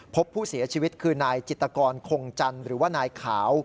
พบผู้เสียชีวิตคือนายจิตกรคงจันทร์หรือว่านายขาว